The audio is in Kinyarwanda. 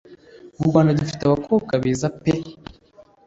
Mu Rwanda dufite abakobwa beza pee